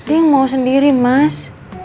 ia yang mau sendiri mas